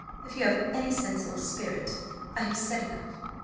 If you have any sense or spirit, I have said enough.